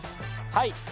はい。